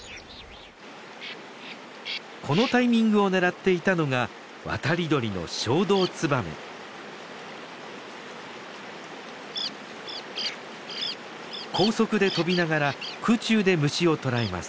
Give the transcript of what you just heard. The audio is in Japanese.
このタイミングを狙っていたのが渡り鳥の高速で飛びながら空中で虫を捕らえます。